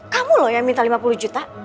kamu loh yang minta lima puluh juta